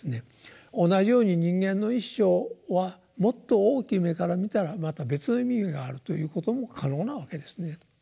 同じように人間の一生はもっと大きい目から見たらまた別の意味があるということも可能なわけですね。